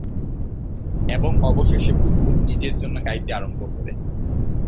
এবং অবশেষে বুলবুল নিজের জন্য গাইতে আরম্ভ করে।